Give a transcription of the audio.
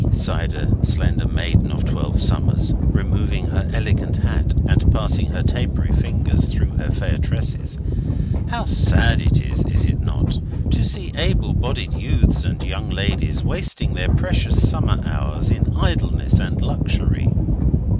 sighed a slender maiden of twelve summers, removing her elegant hat and passing her tapery fingers lightly through her fair tresses, "how sad it is is it not? to see able bodied youths and young ladies wasting the precious summer hours in idleness and luxury."